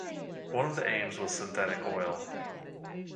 One of the aims was synthetic oil.